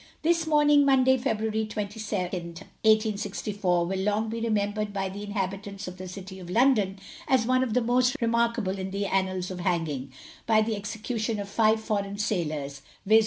This morning, Monday, February 22nd, 1864, will long be remembered by the inhabitants of the city of London, as one of the most remarkable in the annals of hanging, by the execution of five foreign sailors, viz.